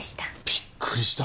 びっくりした。